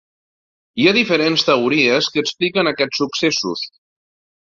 Hi ha diferents teories que expliquen aquests successos.